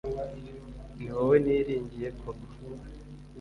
ni wowe niringiye (koko)